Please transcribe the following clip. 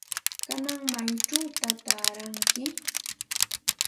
¿Kanan maychawta taaranki?